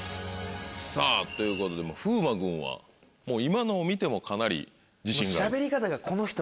さぁということで風磨君は今のを見てもかなり自信がある？